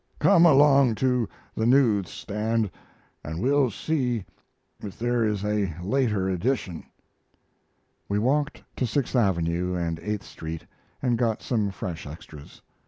Come along to the news stand and we'll see if there is a later edition." We walked to Sixth Avenue and Eighth Street and got some fresh extras.